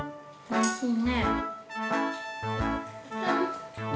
おいしい。